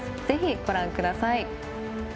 ぜひ、ご覧ください。